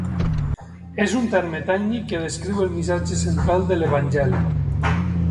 És un terme tècnic que descriu el missatge central de l'Evangeli: